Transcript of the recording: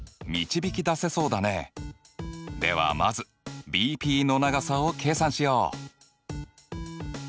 ではまずＢＰの長さを計算しよう！